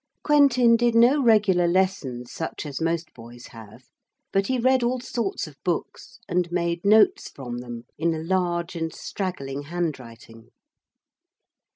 Quentin did no regular lessons, such as most boys have, but he read all sorts of books and made notes from them, in a large and straggling handwriting.